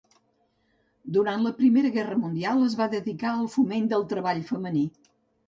Durant la Primera Guerra Mundial es va dedicar al foment del treball femení.